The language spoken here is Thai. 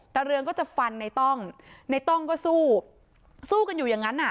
เรืองก็จะฟันในต้องในต้องก็สู้สู้กันอยู่อย่างนั้นอ่ะ